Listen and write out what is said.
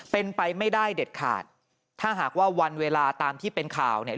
เป็นไปไม่ได้เด็ดขาดถ้าหากว่าวันเวลาตามที่เป็นข่าวเนี่ย